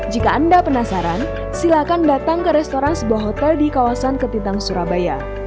jika anda penasaran silakan datang ke restoran sebuah hotel di kawasan ketintang surabaya